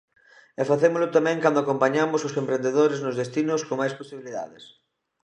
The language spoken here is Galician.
E facémolo tamén cando acompañamos os emprendedores nos destinos con máis posibilidades.